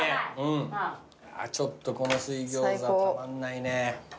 ちょっとこの水餃子たまんないね。